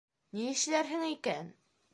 Нишләрһең икән?